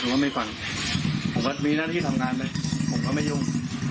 คือว่าไม่ฝันถุงวันที่ทำงานไม่ญิ่ง